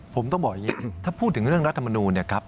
ผมต้องบอกอย่างนี้ถ้าพูดถึงเรื่องรัฐบาลนูน